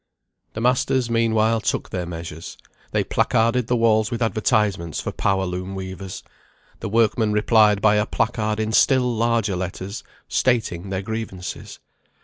The masters, meanwhile, took their measures. They placarded the walls with advertisements for power loom weavers. The workmen replied by a placard in still larger letters, stating their grievances.